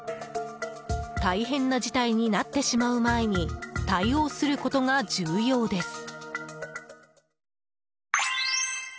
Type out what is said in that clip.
大変な事態になってしまう前に対応することが重要です。